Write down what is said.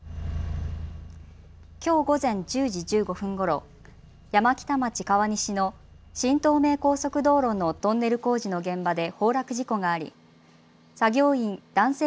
きょう午前１０時１５分ごろ、山北町川西の新東名高速道路のトンネル工事の現場で崩落事故があり男性